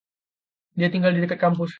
Dia tinggal di dekat kampus.